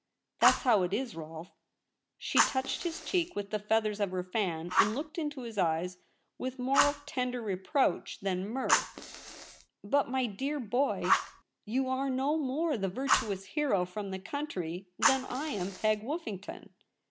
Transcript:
That's how it is, Rolfe.' She touched his cheek with the feathers of her fan, and looked into his e}es with more of 224 THE REBEL ROSE. tender reproach than mirth. ' But, my dear boy, you are no more the virtuous hero from the country than I am Peg Woffington.